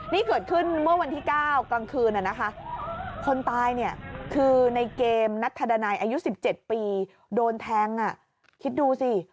นี่เกิดขึ้นเมื่อวันที่๙กลางคืนคนตายเนี่ยคือในเกมนัทธดานัยอายุ๑๗ปีโดนแทงคิดดูสิ